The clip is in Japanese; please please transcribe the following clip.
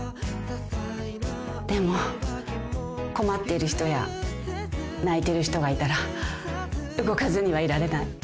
でも困ってる人や泣いてる人がいたら動かずにはいられない。